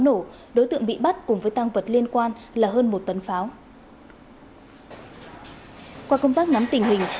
nổ đối tượng bị bắt cùng với tăng vật liên quan là hơn một tấn pháo qua công tác nắm tình hình